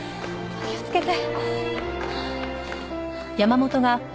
お気をつけて。